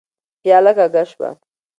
پياله کږه شوه.